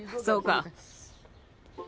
そうか。